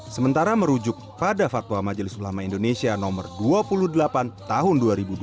sementara merujuk pada fatwa majelis ulama indonesia no dua puluh delapan tahun dua ribu dua puluh